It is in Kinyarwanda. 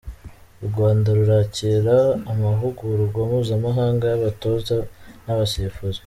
U Rwanda rurakira amahugurwa mpuzamahanga y’abatoza n’abasifuzi